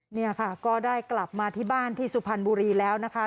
เนี่ยค่ะก็ได้กลับมาที่บ้านที่สุพรรณบุรีแล้วนะคะ